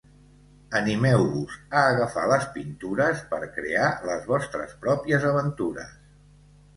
Animeu-vos a agafar les pintures per crear les vostres pròpies aventures.